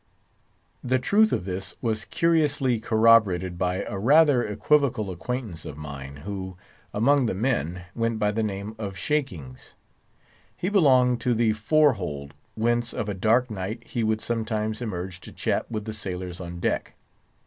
The truth of this was curiously corroborated by a rather equivocal acquaintance of mine, who, among the men, went by the name of "Shakings." He belonged to the fore hold, whence, of a dark night, he would sometimes emerge to chat with the sailors on deck.